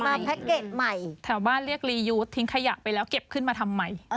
มารียุทธิ์ใหม่แถวบ้านเรียกรียุทธิ์ทิ้งขยะไปแล้วเก็บขึ้นมาทำใหม่